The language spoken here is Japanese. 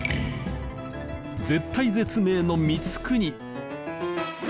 絶体絶命の光國！